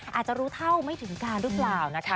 อาจจะรู้เท่าไม่ถึงการหรือเปล่านะคะ